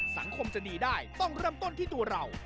สังคมจะดีได้ต้องเริ่มต้นที่ตัวเรา